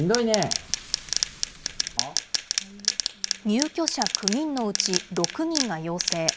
入居者９人のうち６人が陽性。